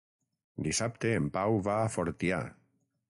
Dissabte en Pau va a Fortià.